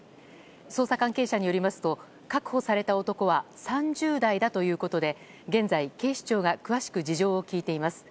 捜査関係者によりますと確保された男は３０代だということで現在、警視庁が詳しく事情を聴いています。